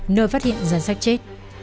nơi phát hiện gián sách chết